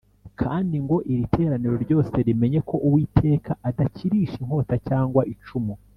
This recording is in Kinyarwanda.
kandi ngo iri teraniro ryose rimenye ko Uwiteka adakirisha inkota cyangwa icumu